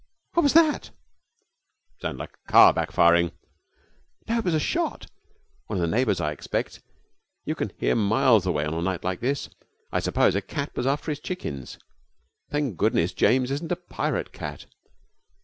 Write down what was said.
'What was that?' 'It sounded like a car backfiring.' 'No, it was a shot. One of the neighbours, I expect. You can hear miles away on a night like this. I suppose a cat was after his chickens. Thank goodness, James isn't a pirate cat.